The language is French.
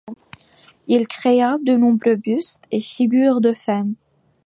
Il créa de nombreux bustes et figures de femme.